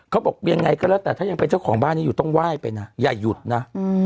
เขาบอกยังไงก็แล้วแต่ถ้ายังเป็นเจ้าของบ้านนี้อยู่ต้องไหว้ไปนะอย่าหยุดนะ